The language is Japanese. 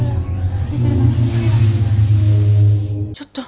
ちょっと。